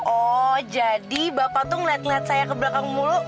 oh jadi bapak tuh ngeliat ngeliat saya ke belakang mulu